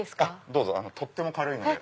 どうぞとっても軽いので。